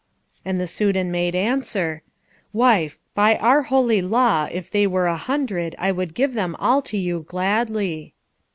And the Soudan made answer, "Wife, by our holy law if they were a hundred I would give them all to you gladly."